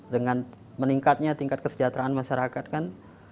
dengan meningkatnya tingkat kesejahteraan masyarakat kan